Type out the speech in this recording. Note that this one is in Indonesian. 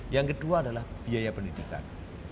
yang kedua adalah biaya pendidikan